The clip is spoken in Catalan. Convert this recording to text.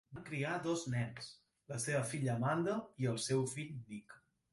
Van criar dos nens, la seva filla Amanda i el seu fill Nick.